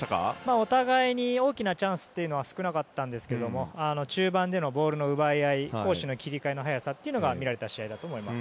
お互いに大きなチャンスは少なかったんですけど中盤でのボールの奪い合い攻守の切り替えの早さというのが見られた試合だと思います。